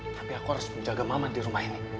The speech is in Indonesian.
tapi aku harus menjaga mama di rumah ini